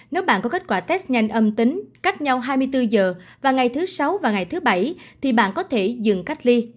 nếu bạn có kết quả test nhanh âm tính cách nhau hai mươi bốn giờ và ngày thứ sáu và ngày thứ bảy thì bạn có thể dừng cách ly